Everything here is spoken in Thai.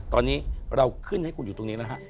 ตอนนี้เราขึ้นให้คุณอยู่ตรงนี้แล้วฮะ